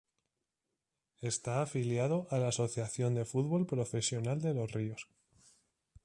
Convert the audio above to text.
Está afiliado a la Asociación de Fútbol Profesional de Los Ríos.